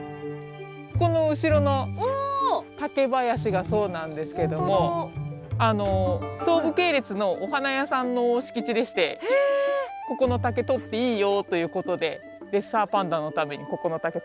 この後ろの竹林がそうなんですけども東武系列のお花屋さんの敷地でして「ここの竹とっていいよ」ということでレッサーパンダのためにここの竹とらせてもらってます。